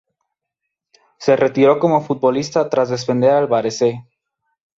Se retiró como futbolista tras defender al Varese.